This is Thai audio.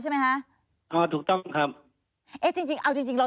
ใช่ไหมคะอ่าถูกต้องครับเอ๊ะจริงจริงเอาจริงจริงเรา